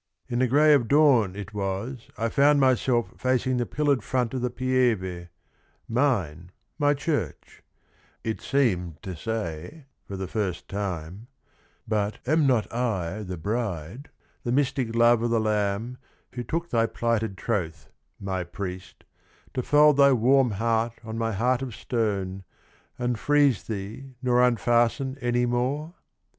' I' the grey of dawn it was I found myself Facing the pillared front of the Pieve — mine, My church: it seemed to say for the first time ' But am not I the Bride, the mystic love O' the Lamb, who took thy plighted troth, my priest, To fold thy warm heart on my heart of stone And freeze thee nor unfasten any more?